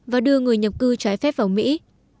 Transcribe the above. và đưa người nhập cư trái phép vào mỹ